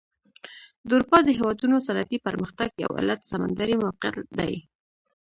د اروپا د هېوادونو صنعتي پرمختګ یو علت سمندري موقعیت دی.